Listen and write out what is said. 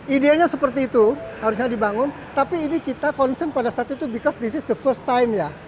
idealnya seperti itu harusnya dibangun tapi ini kita concern pada saat itu becau this is the first time ya